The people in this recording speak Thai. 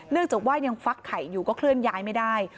จากว่ายังฟักไข่อยู่ก็เคลื่อนย้ายไม่ได้